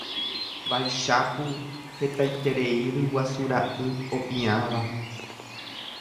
Vaicháku hetaiterei ryguasura'y opiãva.